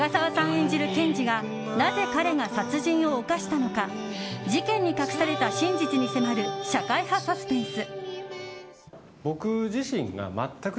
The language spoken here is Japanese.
演じる検事がなぜ彼が殺人を犯したのか事件に隠された真実に迫る社会派サスペンス。